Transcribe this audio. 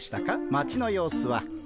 町の様子は。